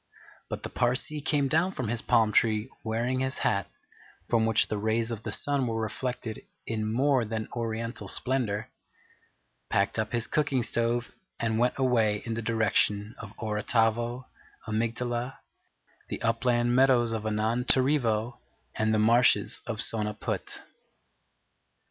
But the Parsee came down from his palm tree, wearing his hat, from which the rays of the sun were reflected in more than oriental splendour, packed up his cooking stove, and went away in the direction of Orotavo, Amygdala, the Upland Meadows of Anantarivo, and the Marshes of Sonaput.